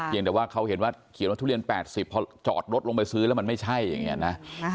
จะมีเท่านั้นทุเรียนว่าทุเรียน๘๐ตัวรถลงไปซื้อแล้วมันไม่ใช่อย่างนี้นะ